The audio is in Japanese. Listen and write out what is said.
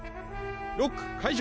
ロック解除！